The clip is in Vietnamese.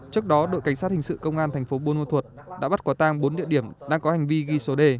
trước đó đội cảnh sát hình sự công an thành phố buôn ma thuột đã bắt quả tang bốn địa điểm đang có hành vi ghi số đề